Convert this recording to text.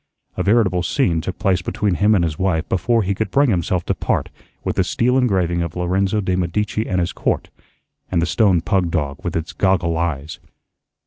A veritable scene took place between him and his wife before he could bring himself to part with the steel engraving of "Lorenzo de' Medici and His Court" and the stone pug dog with its goggle eyes.